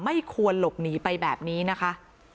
ไม่ควรหลบหนีไปแบบนี้นะคะ